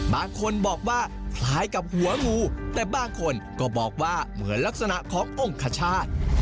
บางคนบอกว่าคล้ายกับหัวงูแต่บางคนก็บอกว่าเหมือนลักษณะขององคชาติ